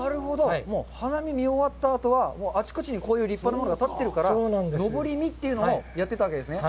花見を見終わったあとはあちこちにこういう立派なものが立ってるからのぼり見というのもやっていたわけですね。